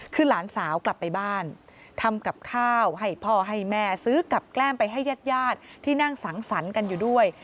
คือหลานสาวกลับไปบ้านทำกับข้าวให้พ่อให้แม่ซื้อกับแกล้มไปให้ญาติญาติที่นั่งสังสรรค์กันอยู่ด้วย